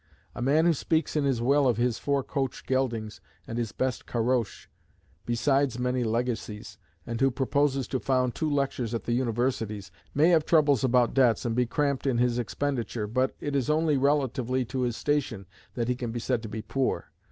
A man who speaks in his will of his "four coach geldings and his best caroache," besides many legacies, and who proposes to found two lectures at the universities, may have troubles about debts and be cramped in his expenditure, but it is only relatively to his station that he can be said to be poor.